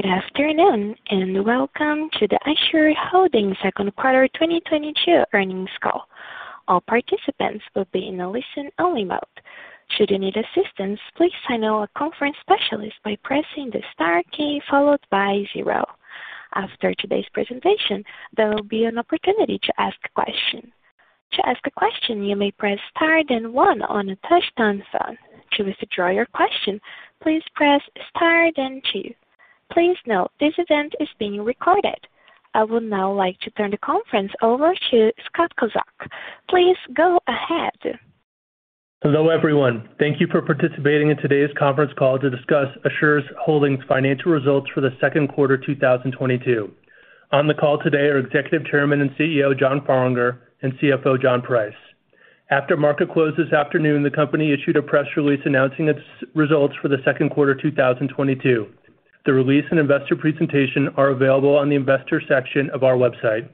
Good afternoon, and welcome to the Assure Holdings second quarter 2022 earnings call. All participants will be in a listen-only mode. Should you need assistance, please signal a conference specialist by pressing the star key followed by zero. After today's presentation, there will be an opportunity to ask a question. To ask a question, you may press star then one on a touch-tone phone. To withdraw your question, please press star then two. Please note this event is being recorded. I would now like to turn the conference over to Scott Kozak. Please go ahead. Hello, everyone. Thank you for participating in today's conference call to discuss Assure Holdings financial results for the second quarter 2022. On the call today are Executive Chairman and CEO, John Farlinger, and CFO, John Price. After market close this afternoon, the company issued a press release announcing its results for the second quarter 2022. The release and investor presentation are available on the investor section of our website.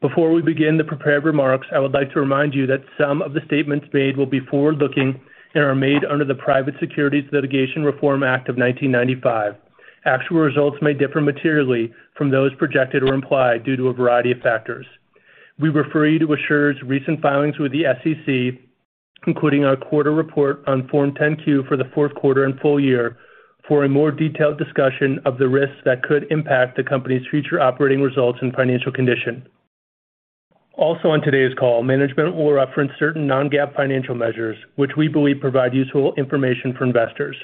Before we begin the prepared remarks, I would like to remind you that some of the statements made will be forward-looking and are made under the Private Securities Litigation Reform Act of 1995. Actual results may differ materially from those projected or implied due to a variety of factors. We refer you to Assure's recent filings with the SEC, including our quarterly report on Form 10-Q for the fourth quarter and full year for a more detailed discussion of the risks that could impact the company's future operating results and financial condition. Also on today's call, management will reference certain non-GAAP financial measures, which we believe provide useful information for investors.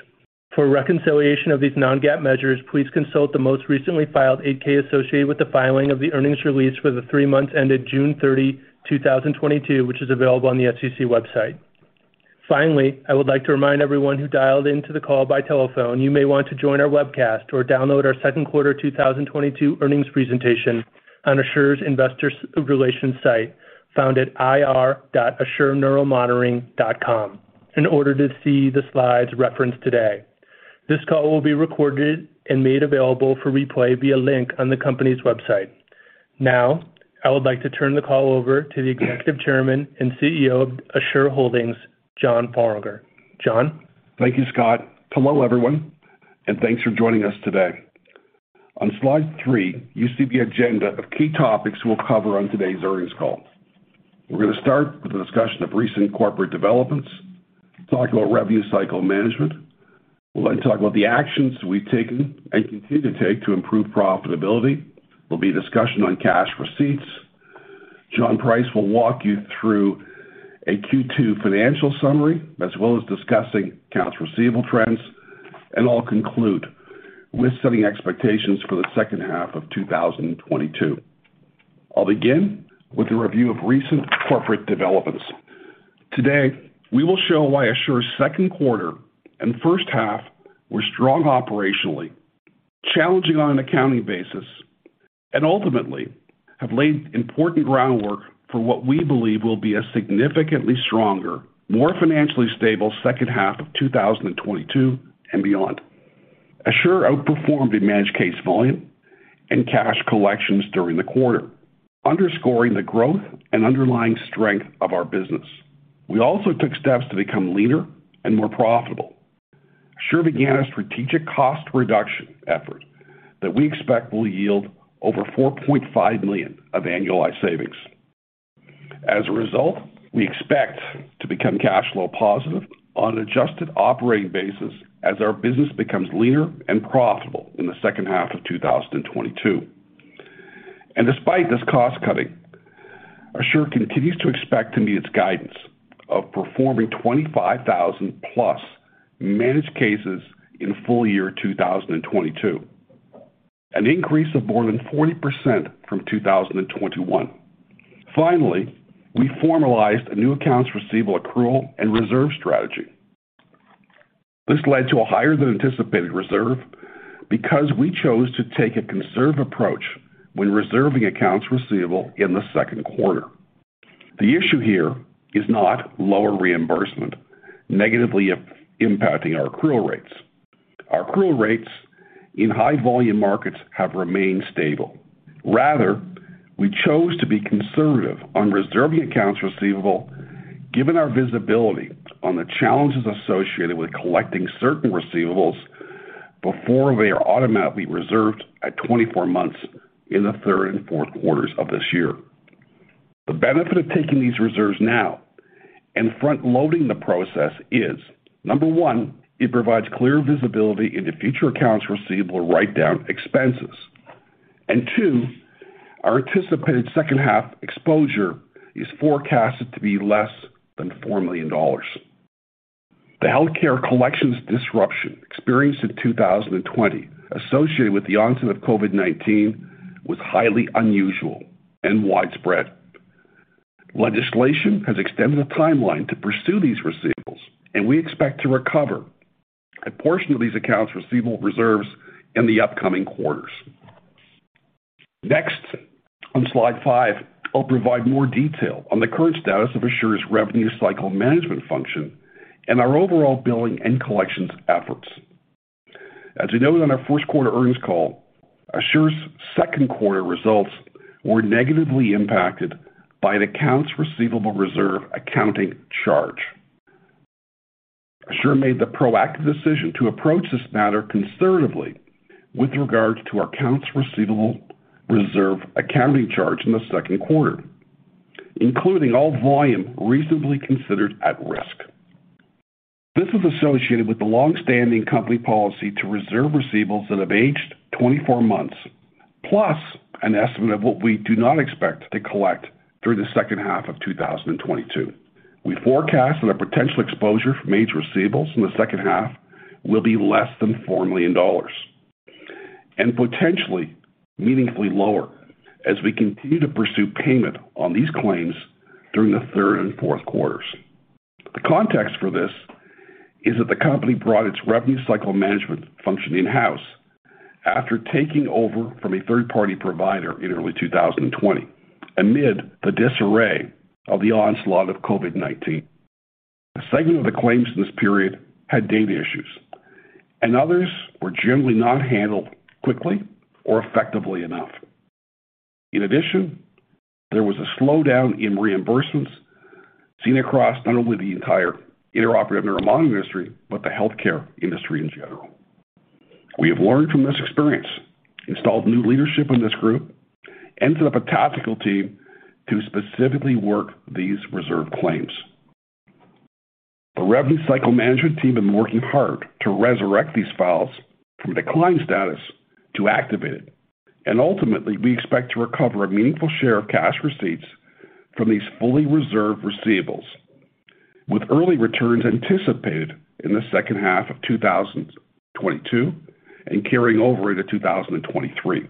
For a reconciliation of these non-GAAP measures, please consult the most recently filed 8-K associated with the filing of the earnings release for the three months ended June 30, 2022, which is available on the SEC website. Finally, I would like to remind everyone who dialed into the call by telephone, you may want to join our webcast or download our second quarter 2022 earnings presentation on Assure's investor relations site, found at ir.assureneuromonitoring.com, in order to see the slides referenced today. This call will be recorded and made available for replay via link on the company's website. Now, I would like to turn the call over to the Executive Chairman and CEO of Assure Holdings Corp., John Farlinger. John. Thank you, Scott. Hello, everyone, and thanks for joining us today. On slide three, you see the agenda of key topics we'll cover on today's earnings call. We're gonna start with a discussion of recent corporate developments, talk about revenue cycle management. We're going to talk about the actions we've taken and continue to take to improve profitability. There'll be a discussion on cash receipts. John Price will walk you through a Q2 financial summary, as well as discussing accounts receivable trends. I'll conclude with setting expectations for the second half of 2022. I'll begin with a review of recent corporate developments. Today, we will show why Assure's second quarter and first half were strong operationally, challenging on an accounting basis, and ultimately have laid important groundwork for what we believe will be a significantly stronger, more financially stable second half of 2022 and beyond. Assure outperformed in managed case volume and cash collections during the quarter, underscoring the growth and underlying strength of our business. We also took steps to become leaner and more profitable. Assure began a strategic cost reduction effort that we expect will yield over $4.5 million of annualized savings. As a result, we expect to become cash flow positive on an adjusted operating basis as our business becomes leaner and profitable in the second half of 2022. Despite this cost-cutting, Assure continues to expect to meet its guidance of performing 25,000-plus managed cases in full year 2022, an increase of more than 40% from 2021. Finally, we formalized a new accounts receivable accrual and reserve strategy. This led to a higher than anticipated reserve because we chose to take a conservative approach when reserving accounts receivable in the second quarter. The issue here is not lower reimbursement negatively impacting our accrual rates. Our accrual rates in high volume markets have remained stable. Rather, we chose to be conservative on reserving accounts receivable given our visibility on the challenges associated with collecting certain receivables before they are automatically reserved at 24 months in the third and fourth quarters of this year. The benefit of taking these reserves now and front-loading the process is, number 1, it provides clear visibility into future accounts receivable write-down expenses. Two, our anticipated second-half exposure is forecasted to be less than $4 million. The healthcare collections disruption experienced in 2020 associated with the onset of COVID-19 was highly unusual and widespread. Legislation has extended the timeline to pursue these receivables, and we expect to recover a portion of these accounts receivable reserves in the upcoming quarters. Next, on slide 5, I'll provide more detail on the current status of Assure's revenue cycle management function and our overall billing and collections efforts. As you noted on our first quarter earnings call, Assure's second quarter results were negatively impacted by an accounts receivable reserve accounting charge. Assure made the proactive decision to approach this matter conservatively with regards to our accounts receivable reserve accounting charge in the second quarter, including all volume reasonably considered at risk. This is associated with the long-standing company policy to reserve receivables that have aged 24 months, plus an estimate of what we do not expect to collect through the second half of 2022. We forecast that our potential exposure from aged receivables in the second half will be less than $4 million and potentially meaningfully lower as we continue to pursue payment on these claims during the third and fourth quarters. The context for this is that the company brought its revenue cycle management function in-house after taking over from a third-party provider in early 2020 amid the disarray of the onslaught of COVID-19. A segment of the claims in this period had data issues, and others were generally not handled quickly or effectively enough. In addition, there was a slowdown in reimbursements seen across not only the entire intraoperative neuromonitoring industry, but the healthcare industry in general. We have learned from this experience, installed new leadership in this group, and set up a tactical team to specifically work these reserve claims. The revenue cycle management team have been working hard to resurrect these files from declined status to activated. Ultimately, we expect to recover a meaningful share of cash receipts from these fully reserved receivables, with early returns anticipated in the second half of 2022 and carrying over into 2023.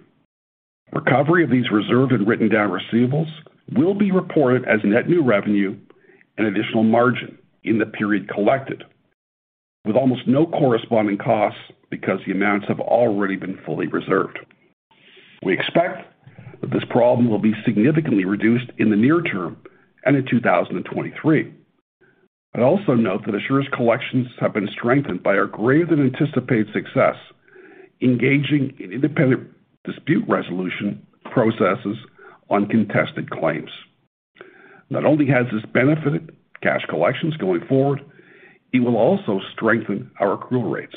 Recovery of these reserved and written-down receivables will be reported as net new revenue and additional margin in the period collected with almost no corresponding costs because the amounts have already been fully reserved. We expect that this problem will be significantly reduced in the near term and in 2023. I'd also note that Assure's collections have been strengthened by our greater-than-anticipated success engaging in independent dispute resolution processes on contested claims. Not only has this benefited cash collections going forward, it will also strengthen our accrual rates.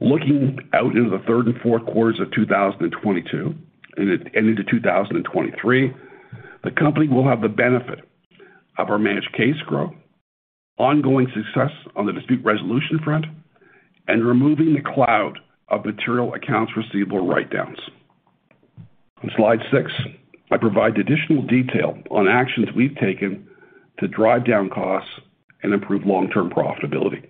Looking out into the third and fourth quarters of 2022 and into 2023, the company will have the benefit of our managed case growth, ongoing success on the dispute resolution front, and removing the cloud of material accounts receivable write-downs. On slide 6, I provide additional detail on actions we've taken to drive down costs and improve long-term profitability.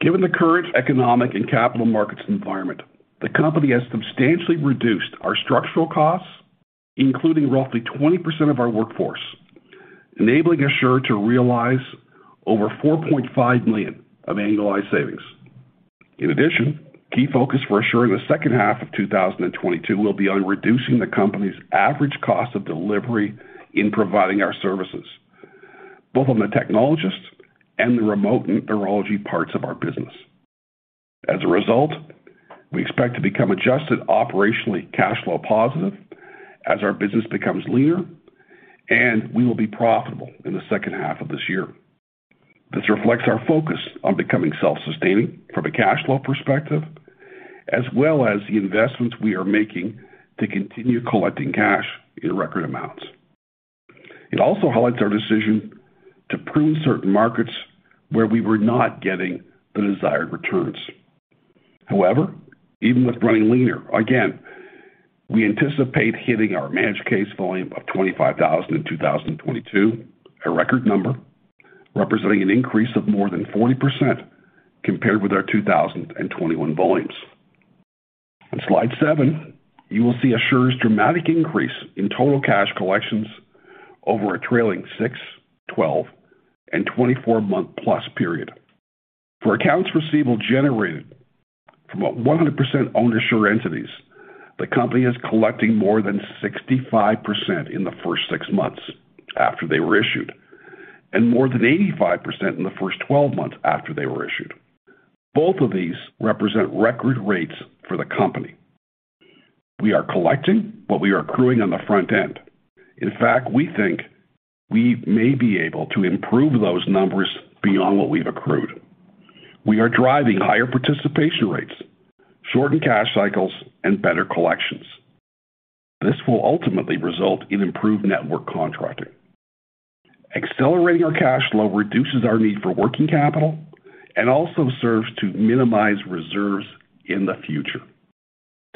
Given the current economic and capital markets environment, the company has substantially reduced our structural costs, including roughly 20% of our workforce, enabling Assure to realize over $4.5 million of annualized savings. In addition, key focus for Assure in the second half of 2022 will be on reducing the company's average cost of delivery in providing our services, both on the technologist and the remote neurology parts of our business. As a result, we expect to become adjusted operationally cash flow positive as our business becomes leaner, and we will be profitable in the second half of this year. This reflects our focus on becoming self-sustaining from a cash flow perspective, as well as the investments we are making to continue collecting cash in record amounts. It also highlights our decision to prune certain markets where we were not getting the desired returns. However, even with running leaner, again, we anticipate hitting our managed case volume of 25,000 in 2022, a record number representing an increase of more than 40% compared with our 2021 volumes. On slide seven, you will see Assure's dramatic increase in total cash collections over a trailing six, 12, and 24 month plus period. For accounts receivable generated from a 100% owned Assure entities, the company is collecting more than 65% in the first 6 months after they were issued, and more than 85% in the first 12 months after they were issued. Both of these represent record rates for the company. We are collecting what we are accruing on the front end. In fact, we think we may be able to improve those numbers beyond what we've accrued. We are driving higher participation rates, shortened cash cycles, and better collections. This will ultimately result in improved network contracting. Accelerating our cash flow reduces our need for working capital and also serves to minimize reserves in the future.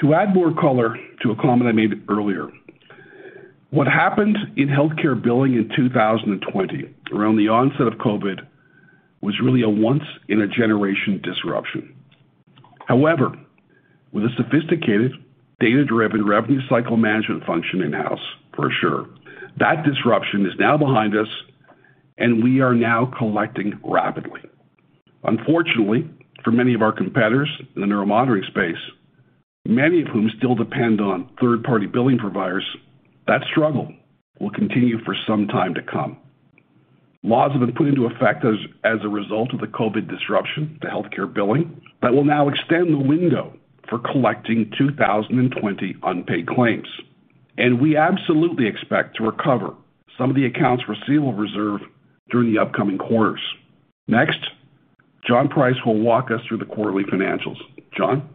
To add more color to a comment I made earlier, what happened in healthcare billing in 2020 around the onset of COVID was really a once-in-a-generation disruption. However, with a sophisticated data-driven revenue cycle management function in-house for Assure, that disruption is now behind us and we are now collecting rapidly. Unfortunately for many of our competitors in the neuromonitoring space, many of whom still depend on third-party billing providers, that struggle will continue for some time to come. Laws have been put into effect as a result of the COVID disruption to healthcare billing that will now extend the window for collecting 2020 unpaid claims. We absolutely expect to recover some of the accounts receivable reserve during the upcoming quarters. Next, John Price will walk us through the quarterly financials. John?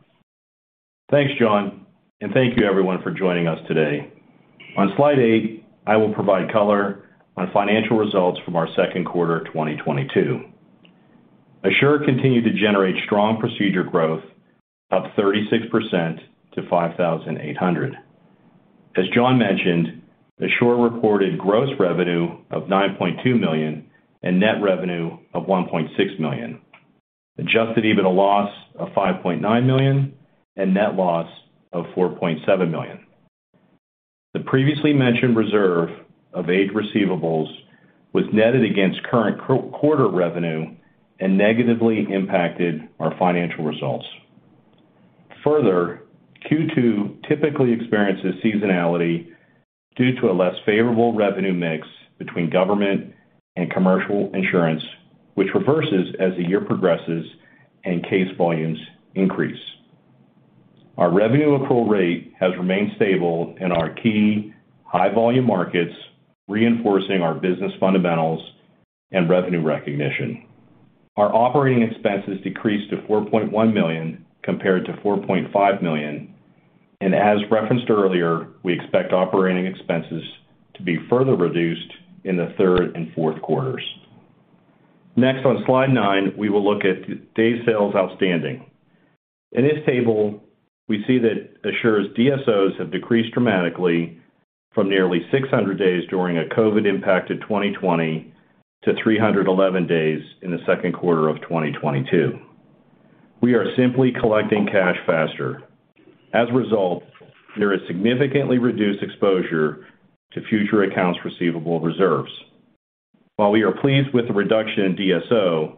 Thanks, John, and thank you everyone for joining us today. On slide 8, I will provide color on financial results from our second quarter 2022. Assure continued to generate strong procedure growth, up 36% to 5,800. As John mentioned, Assure reported gross revenue of $9.2 million and net revenue of $1.6 million. Adjusted EBITDA loss of $5.9 million and net loss of $4.7 million. The previously mentioned reserve of AR receivables was netted against current quarter revenue and negatively impacted our financial results. Further, Q2 typically experiences seasonality due to a less favorable revenue mix between government and commercial insurance, which reverses as the year progresses and case volumes increase. Our revenue approval rate has remained stable in our key high-volume markets, reinforcing our business fundamentals and revenue recognition. Our operating expenses decreased to $4.1 million compared to $4.5 million. As referenced earlier, we expect operating expenses to be further reduced in the third and fourth quarters. Next, on slide 9, we will look at days sales outstanding. In this table, we see that Assure's DSOs have decreased dramatically from nearly 600 days during a COVID impacted 2020 to 311 days in the second quarter of 2022. We are simply collecting cash faster. As a result, there is significantly reduced exposure to future accounts receivable reserves. While we are pleased with the reduction in DSO,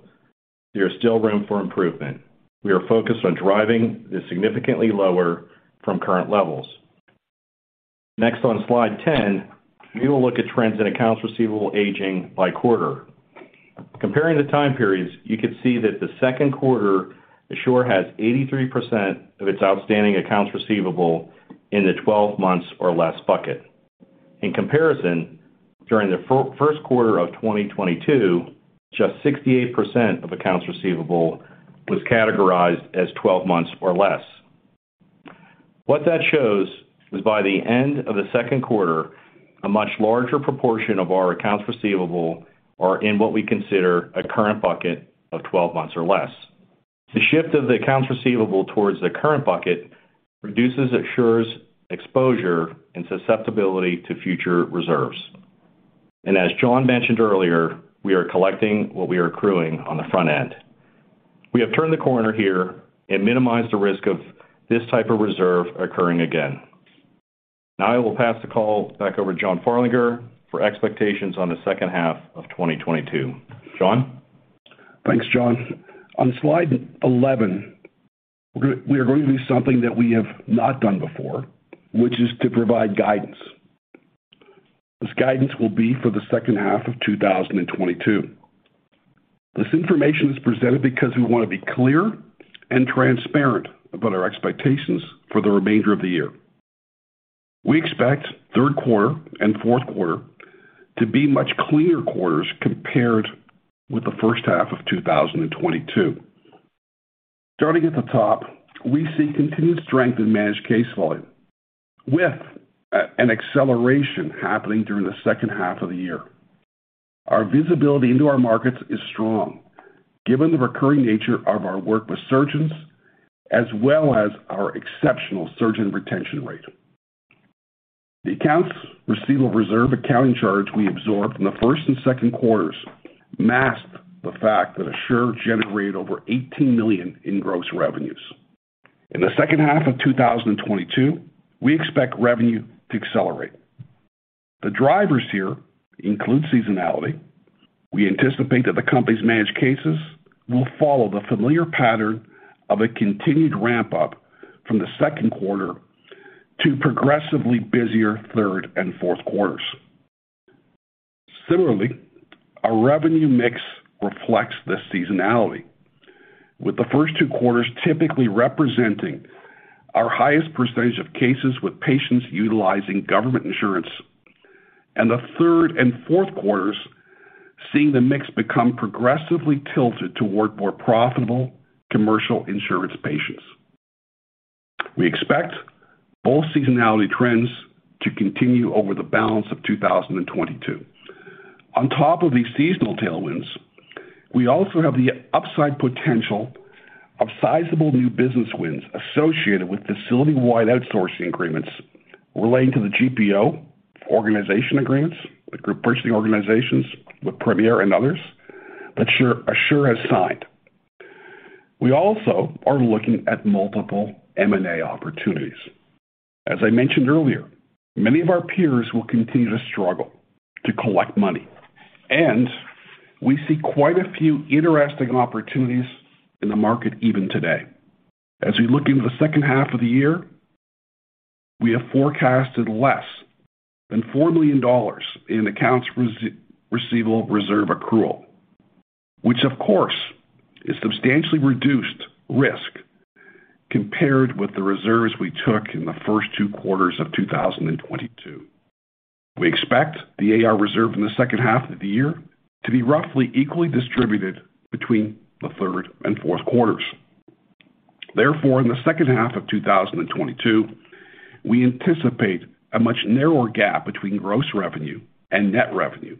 there is still room for improvement. We are focused on driving this significantly lower from current levels. Next, on slide 10, we will look at trends in accounts receivable aging by quarter. Comparing the time periods, you can see that the second quarter, Assure has 83% of its outstanding accounts receivable in the 12 months or less bucket. In comparison, during the first quarter of 2022, just 68% of accounts receivable was categorized as 12 months or less. What that shows is by the end of the second quarter, a much larger proportion of our accounts receivable are in what we consider a current bucket of 12 months or less. The shift of the accounts receivable towards the current bucket reduces Assure's exposure and susceptibility to future reserves. As John mentioned earlier, we are collecting what we are accruing on the front end. We have turned the corner here and minimized the risk of this type of reserve occurring again. Now I will pass the call back over to John Farlinger for expectations on the second half of 2022. John? Thanks, John. On slide 11, we are going to do something that we have not done before, which is to provide guidance. This guidance will be for the second half of 2022. This information is presented because we wanna be clear and transparent about our expectations for the remainder of the year. We expect third quarter and fourth quarter to be much cleaner quarters compared with the first half of 2022. Starting at the top, we see continued strength in managed case volume, with an acceleration happening during the second half of the year. Our visibility into our markets is strong, given the recurring nature of our work with surgeons, as well as our exceptional surgeon retention rate. The accounts receivable reserve accounting charge we absorbed in the first and second quarters masked the fact that Assure generated over $18 million in gross revenues. In the second half of 2022, we expect revenue to accelerate. The drivers here include seasonality. We anticipate that the company's managed cases will follow the familiar pattern of a continued ramp up from the second quarter to progressively busier third and fourth quarters. Similarly, our revenue mix reflects the seasonality, with the first two quarters typically representing our highest percentage of cases with patients utilizing government insurance, and the third and fourth quarters seeing the mix become progressively tilted toward more profitable commercial insurance patients. We expect both seasonality trends to continue over the balance of 2022. On top of these seasonal tailwinds, we also have the upside potential of sizable new business wins associated with facility-wide outsourcing agreements relating to the GPO organization agreements, the group purchasing organizations with Premier and others that Assure has signed. We also are looking at multiple M&A opportunities. As I mentioned earlier, many of our peers will continue to struggle to collect money, and we see quite a few interesting opportunities in the market even today. As we look into the second half of the year, we have forecasted less than $4 million in accounts receivable reserve accrual. Which of course is substantially reduced risk compared with the reserves we took in the first two quarters of 2022. We expect the AR reserve in the second half of the year to be roughly equally distributed between the third and fourth quarters. Therefore, in the second half of 2022, we anticipate a much narrower gap between gross revenue and net revenue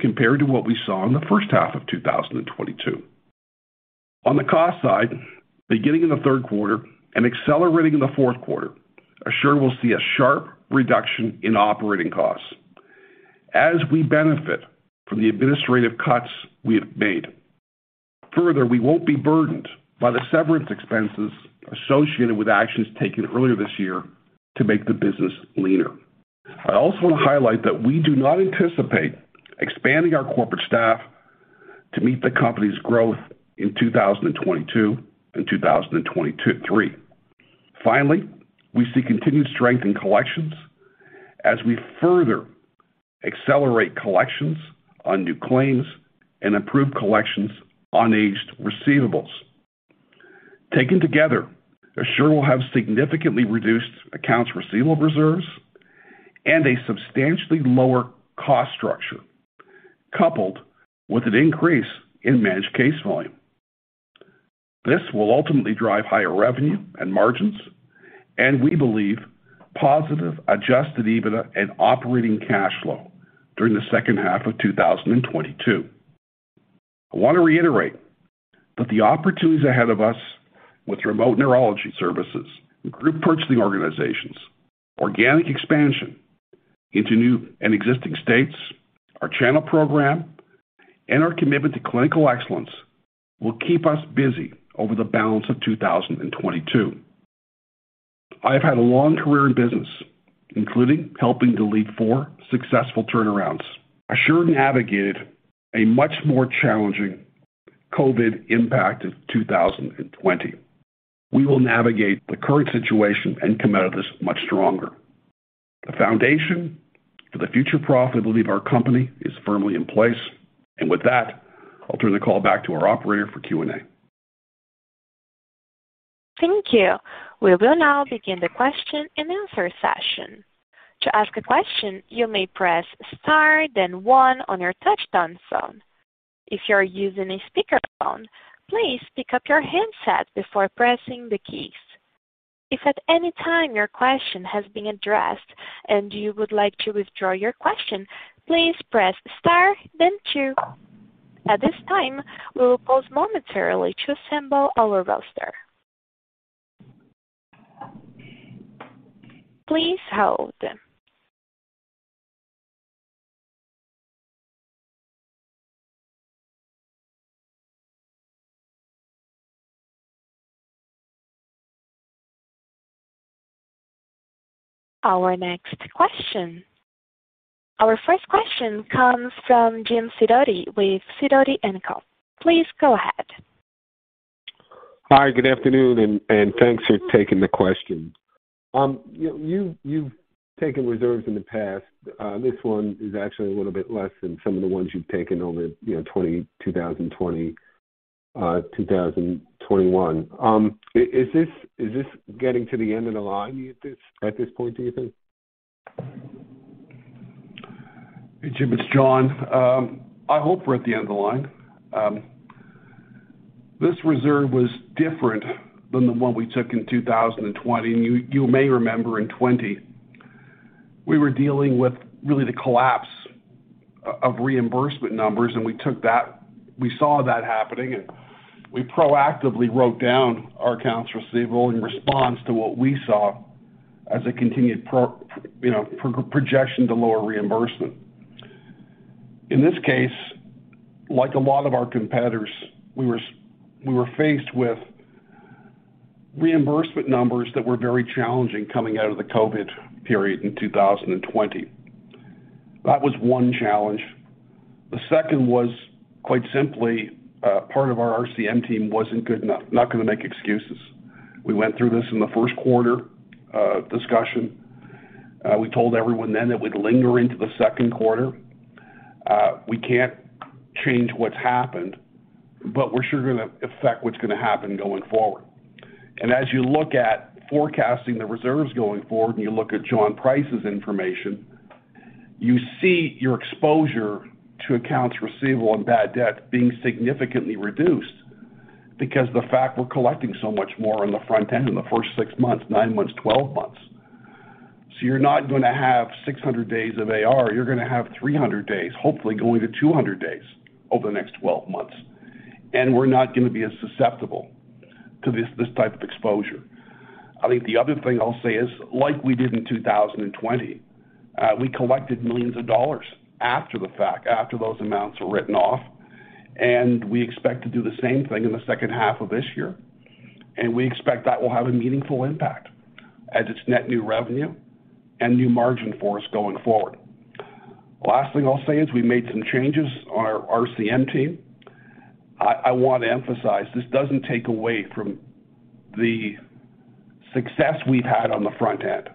compared to what we saw in the first half of 2022. On the cost side, beginning in the third quarter and accelerating in the fourth quarter, Assure will see a sharp reduction in operating costs as we benefit from the administrative cuts we have made. Further, we won't be burdened by the severance expenses associated with actions taken earlier this year to make the business leaner. I also want to highlight that we do not anticipate expanding our corporate staff to meet the company's growth in 2022 and 2023. Finally, we see continued strength in collections as we further accelerate collections on new claims and improve collections on aged receivables. Taken together, Assure will have significantly reduced accounts receivable reserves and a substantially lower cost structure, coupled with an increase in managed case volume. This will ultimately drive higher revenue and margins, and we believe positive adjusted EBITDA and operating cash flow during the second half of 2022. I want to reiterate that the opportunities ahead of us with remote neurology services, group purchasing organizations, organic expansion into new and existing states, our channel program, and our commitment to clinical excellence will keep us busy over the balance of 2022. I have had a long career in business, including helping to lead four successful turnarounds. Assure navigated a much more challenging COVID impact in 2020. We will navigate the current situation and come out of this much stronger. The foundation for the future profit we believe our company is firmly in place. With that, I'll turn the call back to our operator for Q&A. Thank you. We will now begin the question and answer session. To ask a question, you may press star then one on your touch-tone phone. If you are using a speakerphone, please pick up your handset before pressing the keys. If at any time your question has been addressed and you would like to withdraw your question, please press star then two. At this time, we will pause momentarily to assemble our roster. Please hold. Our next question. Our first question comes from Jim Sidoti with Sidoti & Company. Please go ahead. Hi, good afternoon, and thanks for taking the question. You've taken reserves in the past. This one is actually a little bit less than some of the ones you've taken over, you know, 2020, 2021. Is this getting to the end of the line at this point, do you think? Hey, Jim, it's John. I hope we're at the end of the line. This reserve was different than the one we took in 2020. You may remember in 2020 we were dealing with really the collapse of reimbursement numbers, and we took that. We saw that happening, and we proactively wrote down our accounts receivable in response to what we saw as a continued projection to lower reimbursement. In this case, like a lot of our competitors, we were faced with reimbursement numbers that were very challenging coming out of the COVID period in 2020. That was one challenge. The second was quite simply, part of our RCM team wasn't good enough. Not gonna make excuses. We went through this in the first quarter discussion. We told everyone then that we'd linger into the second quarter. We can't change what's happened, but we're sure gonna affect what's gonna happen going forward. As you look at forecasting the reserves going forward and you look at John Price's information, you see your exposure to accounts receivable and bad debt being significantly reduced because the fact we're collecting so much more on the front end in the first 6 months, 9 months, 12 months. You're not gonna have 600 days of AR. You're gonna have 300 days, hopefully going to 200 days over the next 12 months. We're not gonna be as susceptible to this type of exposure. I think the other thing I'll say is, like we did in 2020, we collected $ millions after the fact, after those amounts were written off, and we expect to do the same thing in the second half of this year. We expect that will have a meaningful impact as it's net new revenue and new margin for us going forward. Last thing I'll say is we made some changes on our RCM team. I want to emphasize this doesn't take away from the success we've had on the front end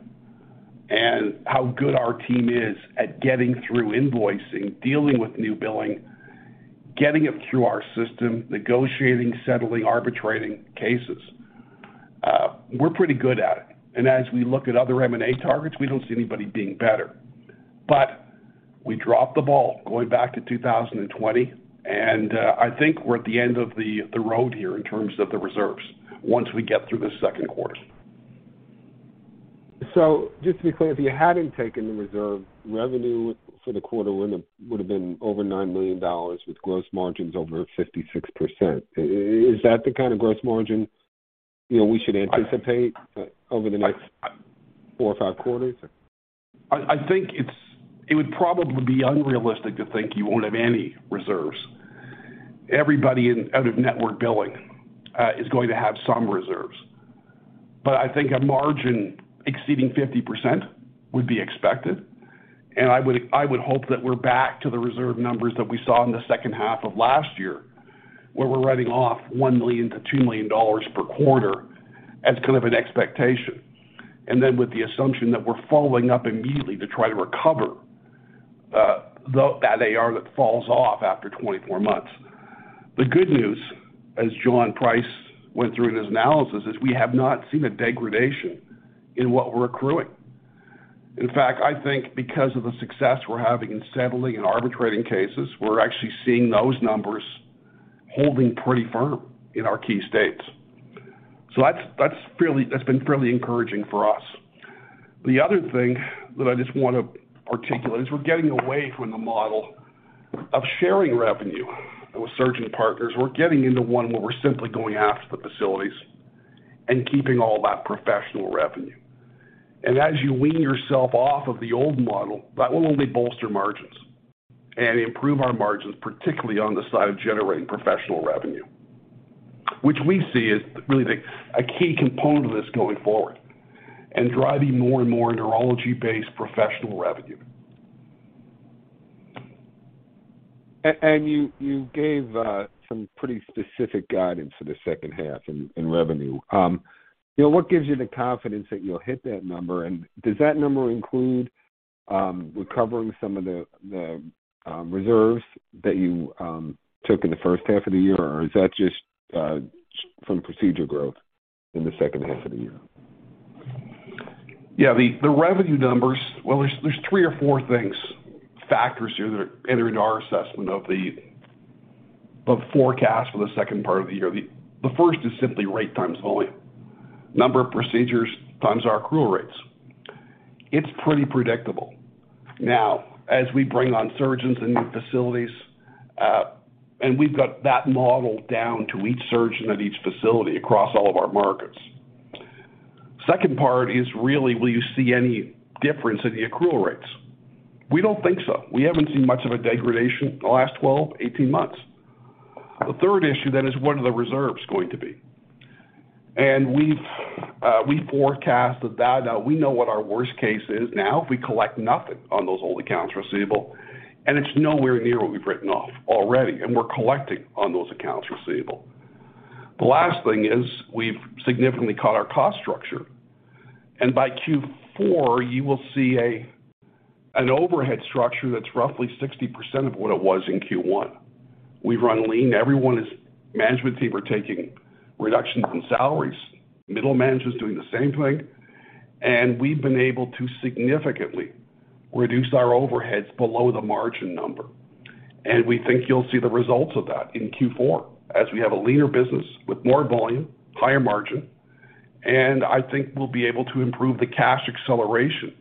and how good our team is at getting through invoicing, dealing with new billing, getting it through our system, negotiating, settling, arbitrating cases. We're pretty good at it. As we look at other M&A targets, we don't see anybody being better. We dropped the ball going back to 2020, and I think we're at the end of the road here in terms of the reserves once we get through the second quarter. Just to be clear, if you hadn't taken the reserve, revenue for the quarter would have been over $9 million with gross margins over 56%. Is that the kind of gross margin, you know, we should anticipate over the next 4 or 5 quarters? I think it would probably be unrealistic to think you won't have any reserves. Everybody in out-of-network billing is going to have some reserves. I think a margin exceeding 50% would be expected. I would hope that we're back to the reserve numbers that we saw in the second half of last year, where we're writing off $1 million-$2 million per quarter as kind of an expectation. With the assumption that we're following up immediately to try to recover that AR that falls off after 24 months. The good news, as John Price went through in his analysis, is we have not seen a degradation in what we're accruing. In fact, I think because of the success we're having in settling and arbitrating cases, we're actually seeing those numbers holding pretty firm in our key states. That's been fairly encouraging for us. The other thing that I just want to articulate is we're getting away from the model of sharing revenue with surgeon partners. We're getting into one where we're simply going after the facilities and keeping all that professional revenue. As you wean yourself off of the old model, that will only bolster margins and improve our margins, particularly on the side of generating professional revenue. Which we see as really a key component of this going forward, and driving more and more neurology-based professional revenue. You gave some pretty specific guidance for the second half in revenue. You know, what gives you the confidence that you'll hit that number? Does that number include recovering some of the reserves that you took in the first half of the year? Or is that just from procedure growth in the second half of the year? Yeah, the revenue numbers. Well, there's three or four things, factors here that are entering our assessment of the forecast for the second part of the year. The first is simply rate times volume. Number of procedures times our accrual rates. It's pretty predictable. Now, as we bring on surgeons in new facilities, and we've got that model down to each surgeon at each facility across all of our markets. Second part is really, will you see any difference in the accrual rates? We don't think so. We haven't seen much of a degradation in the last 12, 18 months. The third issue then is what are the reserves going to be? We've forecast that we know what our worst case is now if we collect nothing on those old accounts receivable, and it's nowhere near what we've written off already, and we're collecting on those accounts receivable. The last thing is we've significantly cut our cost structure. By Q4, you will see an overhead structure that's roughly 60% of what it was in Q1. We run lean. Everyone is. Management team are taking reductions in salaries, middle managers doing the same thing. We've been able to significantly reduce our overheads below the margin number. We think you'll see the results of that in Q4 as we have a leaner business with more volume, higher margin, and I think we'll be able to improve the cash acceleration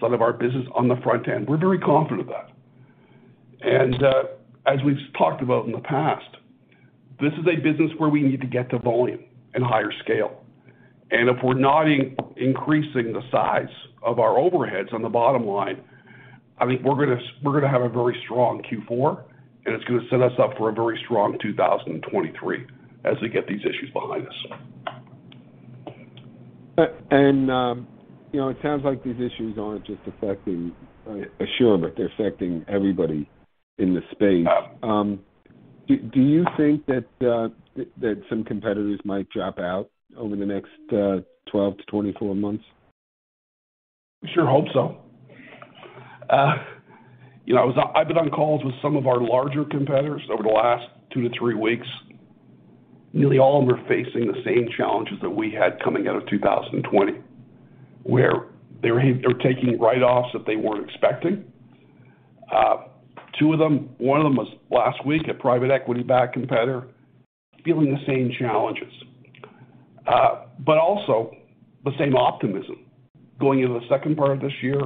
side of our business on the front end. We're very confident of that. As we've talked about in the past, this is a business where we need to get to volume and higher scale. If we're not increasing the size of our overheads on the bottom line, I think we're gonna have a very strong Q4, and it's gonna set us up for a very strong 2023 as we get these issues behind us. You know, it sounds like these issues aren't just affecting Assure, but they're affecting everybody in the space. Yeah. Do you think that some competitors might drop out over the next 12-24 months? We sure hope so. You know, I've been on calls with some of our larger competitors over the last two to three weeks. Nearly all of them are facing the same challenges that we had coming out of 2020, where they were taking write-offs that they weren't expecting. Two of them, one of them was last week, a private equity-backed competitor, feeling the same challenges. But also the same optimism going into the second part of this year.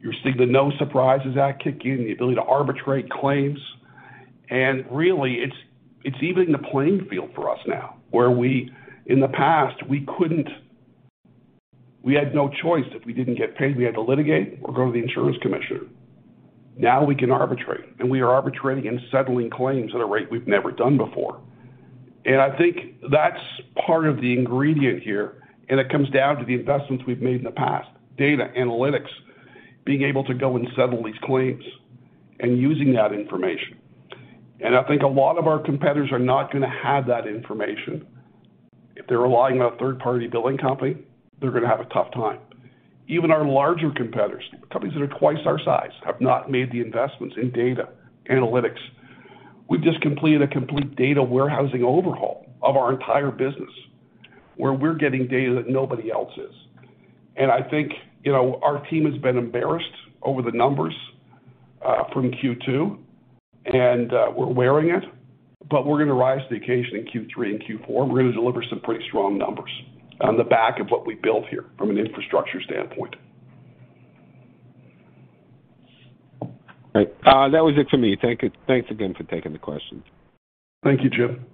You're seeing the No Surprises Act kick in, the ability to arbitrate claims. Really, it's evening the playing field for us now, where we, in the past, we couldn't. We had no choice. If we didn't get paid, we had to litigate or go to the insurance commissioner. Now we can arbitrate, and we are arbitrating and settling claims at a rate we've never done before. I think that's part of the ingredient here, and it comes down to the investments we've made in the past. Data, analytics, being able to go and settle these claims and using that information. I think a lot of our competitors are not gonna have that information. If they're relying on a third-party billing company, they're gonna have a tough time. Even our larger competitors, companies that are twice our size, have not made the investments in data analytics. We've just completed a complete data warehousing overhaul of our entire business, where we're getting data that nobody else is. I think, you know, our team has been embarrassed over the numbers from Q2, and we're wearing it, but we're gonna rise to the occasion in Q3 and Q4, and we're gonna deliver some pretty strong numbers on the back of what we built here from an infrastructure standpoint. Great. That was it for me. Thank you. Thanks again for taking the questions. Thank you, Jim.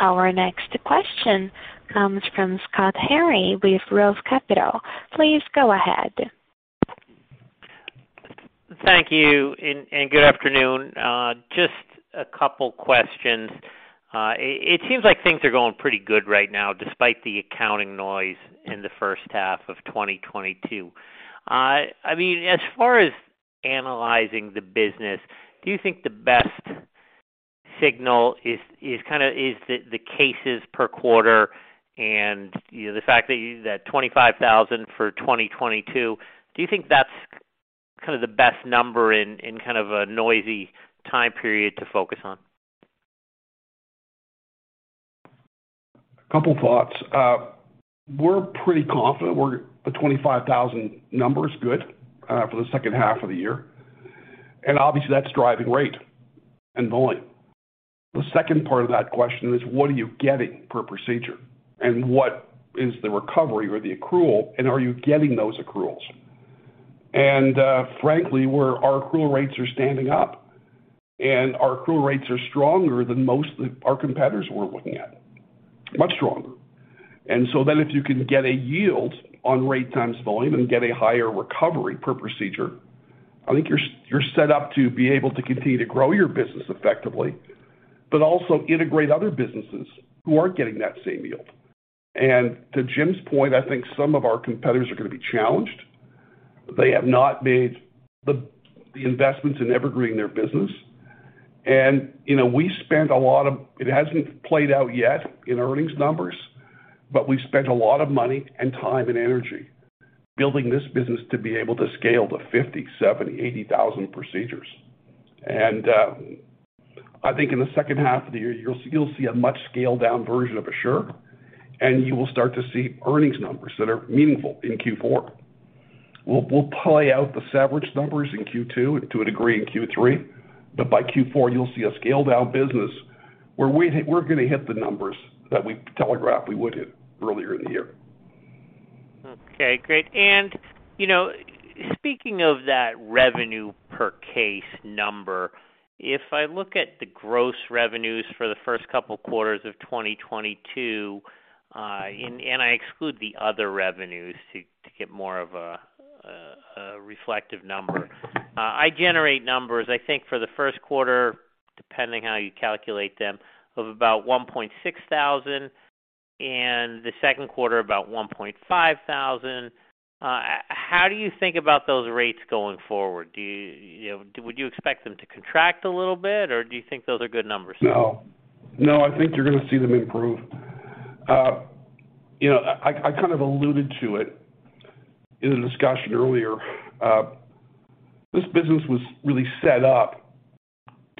Our next question comes from Scott Harry with Roth Capital. Please go ahead. Thank you and good afternoon. Just a couple questions. It seems like things are going pretty good right now despite the accounting noise in the first half of 2022. I mean, as far as analyzing the business, do you think the best signal is kinda the cases per quarter and, you know, the fact that you said 25,000 for 2022, do you think that's kinda the best number in kind of a noisy time period to focus on? A couple thoughts. We're pretty confident. The 25,000 number is good for the second half of the year, and obviously that's driving rate and volume. The second part of that question is what are you getting per procedure, and what is the recovery or the accrual, and are you getting those accruals? Frankly, our accrual rates are standing up, and our accrual rates are stronger than most of our competitors we're looking at. Much stronger. If you can get a yield on rate times volume and get a higher recovery per procedure, I think you're set up to be able to continue to grow your business effectively, but also integrate other businesses who aren't getting that same yield. To Jim's point, I think some of our competitors are gonna be challenged. They have not made the investments in evergreening their business. You know, it hasn't played out yet in earnings numbers, but we've spent a lot of money and time and energy building this business to be able to scale to 50,000, 70,000, 80,000 procedures. I think in the second half of the year, you'll see a much scaled down version of Assure, and you will start to see earnings numbers that are meaningful in Q4. We'll play out the savings numbers in Q2 to a degree in Q3, but by Q4 you'll see a scaled down business where we're gonna hit the numbers that we telegraphed we would hit earlier in the year. Okay, great. You know, speaking of that revenue per case number, if I look at the gross revenues for the first couple quarters of 2022, and I exclude the other revenues to get more of a reflective number, I generate numbers, I think for the first quarter, depending how you calculate them, of about $1,600 and the second quarter about $1,500. How do you think about those rates going forward? You know, would you expect them to contract a little bit, or do you think those are good numbers? No, I think you're gonna see them improve. You know, I kind of alluded to it in a discussion earlier. This business was really set up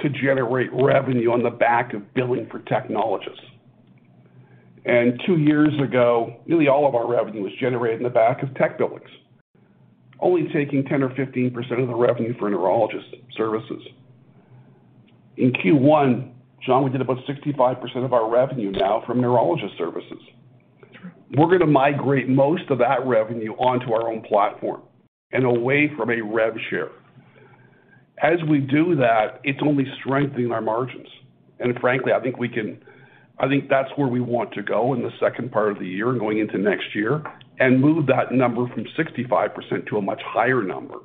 to generate revenue on the back of billing for technologists. Two years ago, nearly all of our revenue was generated in the back of tech billings, only taking 10 or 15% of the revenue for neurologist services. In Q1, John, we did about 65% of our revenue now from neurologist services. We're gonna migrate most of that revenue onto our own platform and away from a rev share. As we do that, it's only strengthening our margins. Frankly, I think we can. I think that's where we want to go in the second part of the year, going into next year, and move that number from 65% to a much higher number,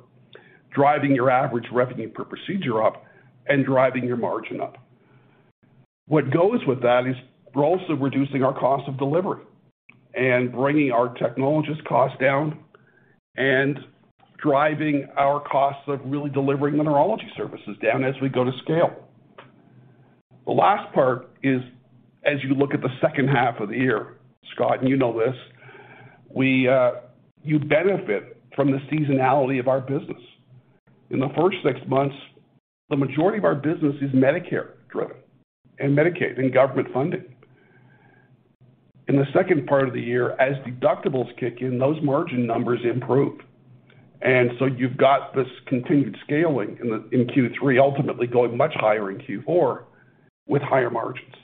driving your average revenue per procedure up and driving your margin up. What goes with that is we're also reducing our cost of delivery and bringing our technologist cost down and driving our costs of really delivering the neurology services down as we go to scale. The last part is, as you look at the second half of the year, Scott, and you know this, we, you benefit from the seasonality of our business. In the first six months, the majority of our business is Medicare driven and Medicaid and government funding. In the second part of the year, as deductibles kick in, those margin numbers improve. You've got this continued scaling in the, in Q3, ultimately going much higher in Q4 with higher margins.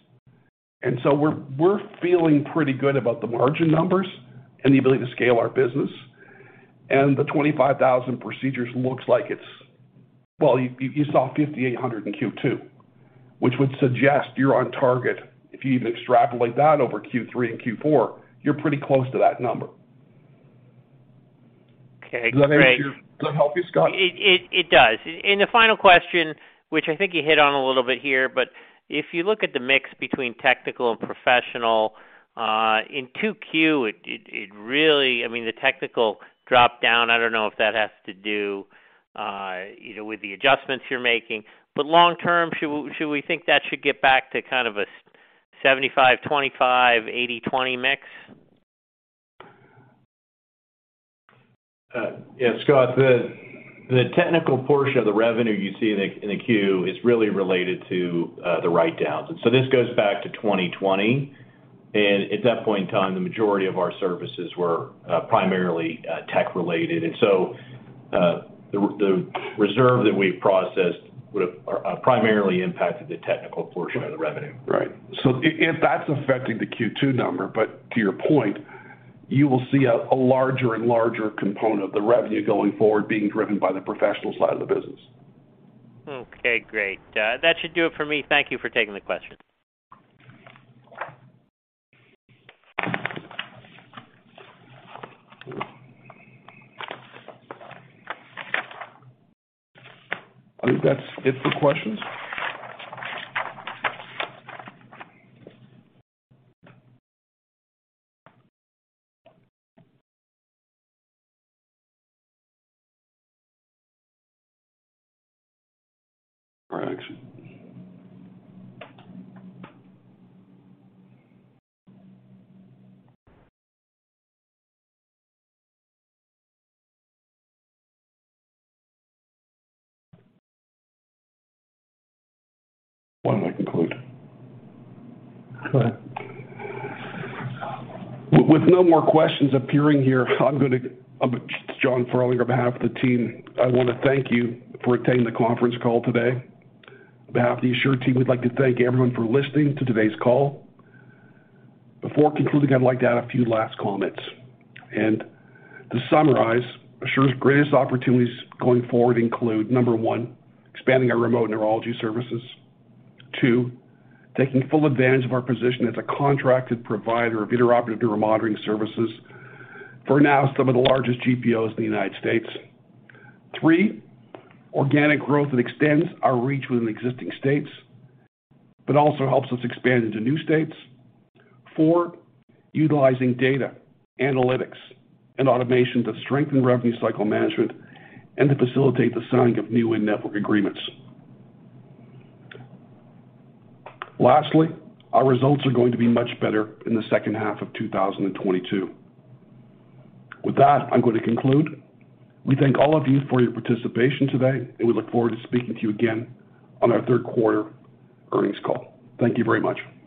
We're feeling pretty good about the margin numbers and the ability to scale our business. The 25,000 procedures looks like it's. Well, you saw 5,800 in Q2, which would suggest you're on target. If you even extrapolate that over Q3 and Q4, you're pretty close to that number. Okay, great. Does that help you, Scott? It does. The final question, which I think you hit on a little bit here, but if you look at the mix between technical and professional in 2Q, it really I mean, the technical dropped down. I don't know if that has to do with either the adjustments you're making. Long term, should we think that should get back to kind of a 75/25, 80/20 mix? Yeah, Scott, the technical portion of the revenue you see in the Q is really related to the write-downs. At that point in time, the majority of our services were primarily tech-related. The reserve that we processed would have primarily impacted the technical portion of the revenue. Right. If that's affecting the Q2 number, but to your point, you will see a larger and larger component of the revenue going forward being driven by the professional side of the business. Okay, great. That should do it for me. Thank you for taking the question. I think that's it for questions. All right. Why don't I conclude? Go ahead. With no more questions appearing here, I'm gonna, John Farlinger, on behalf of the team, I wanna thank you for attending the conference call today. On behalf of the Assure team, we'd like to thank everyone for listening to today's call. Before concluding, I'd like to add a few last comments. To summarize, Assure's greatest opportunities going forward include, number 1, expanding our remote neurology services. 2, taking full advantage of our position as a contracted provider of intraoperative neuromonitoring services for now some of the largest GPOs in the United States. 3, organic growth that extends our reach within existing states, but also helps us expand into new states. 4, utilizing data, analytics, and automation to strengthen revenue cycle management and to facilitate the signing of new in-network agreements. Lastly, our results are going to be much better in the second half of 2022. With that, I'm going to conclude. We thank all of you for your participation today, and we look forward to speaking to you again on our third quarter earnings call. Thank you very much.